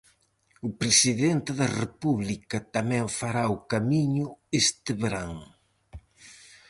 O presidente da república tamén fará o camiño este verán.